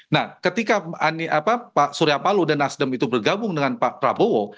nah ketika pak surya palu dan nasdem itu bergabung dengan pak prabowo